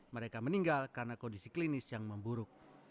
mereka meninggal karena kondisi klinis yang memburuk